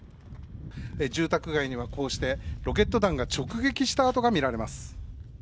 住宅街には、ロケット弾が直撃した跡が見られます。